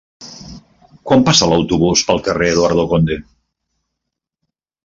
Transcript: Quan passa l'autobús pel carrer Eduardo Conde?